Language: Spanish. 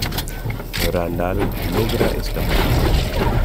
Randall logra escapar.